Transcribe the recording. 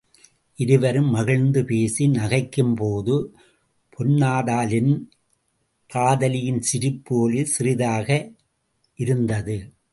இருவரும் மகிழ்ந்து பேசி நகைக்கும்போது, பெண்ணாதலின் காதலியின் சிரிப்பு ஒலி சிறிதாக இருந்தது.